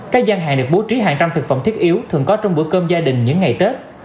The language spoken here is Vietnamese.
các gian hàng được bố trí hàng trăm thực phẩm thiết yếu thường có trong bữa cơm gia đình những ngày tết